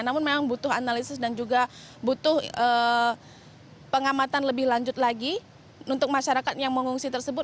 namun memang butuh analisis dan juga butuh pengamatan lebih lanjut lagi untuk masyarakat yang mengungsi tersebut